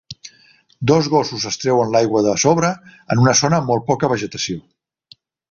Dos gossos es treuen l'aigua de sobre en una zona amb molt poca vegetació.